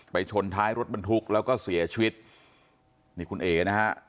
ชนท้ายรถบรรทุกแล้วก็เสียชีวิตนี่คุณเอ๋นะฮะ